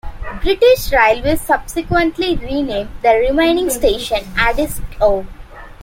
British Railways subsequently renamed the remaining station Haddiscoe.